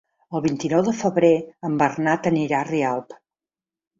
El vint-i-nou de febrer en Bernat anirà a Rialp.